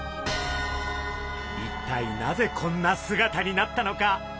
一体なぜこんな姿になったのか？